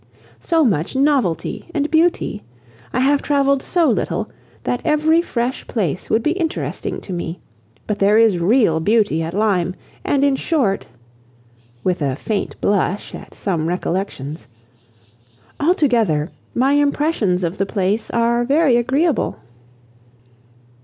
So much novelty and beauty! I have travelled so little, that every fresh place would be interesting to me; but there is real beauty at Lyme; and in short" (with a faint blush at some recollections), "altogether my impressions of the place are very agreeable."